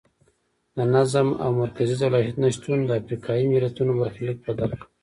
د نظم او مرکزي دولت نشتون د افریقایي ملتونو برخلیک بدل کړ.